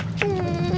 satu mas satu